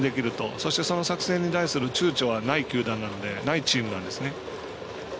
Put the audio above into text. そして、その作戦に対するちゅうちょはないチームなんですね。